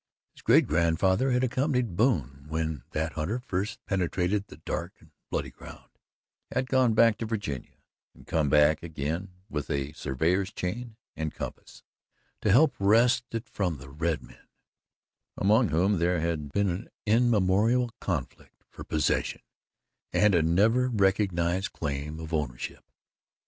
His great grandfather had accompanied Boone when that hunter first penetrated the "Dark and Bloody Ground," had gone back to Virginia and come again with a surveyor's chain and compass to help wrest it from the red men, among whom there had been an immemorial conflict for possession and a never recognized claim of ownership.